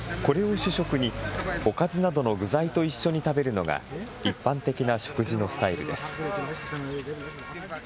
これを主食に、おかずなどの具材と一緒に食べるのが一般的な食事のスタイルです。